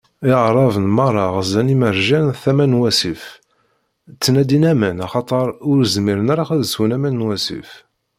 Iɛraben meṛṛa ɣzan imerjan tama n wasif, ttnadin aman, axaṭer ur zmiren ara ad swen aman n wasif.